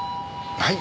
はい？